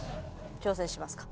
挑戦しますか？